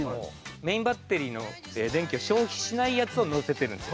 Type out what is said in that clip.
メインバッテリーの電気を消費しないやつを載せてるんですよ。